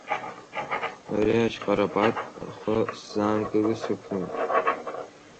Ари аҷҟарапат ахы сзаанкыли, сықәлоит.